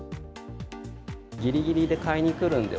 ぎりぎりで買いに来るんでは